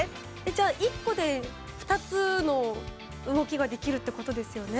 じゃあ１個で二つの動きができるってことですよね？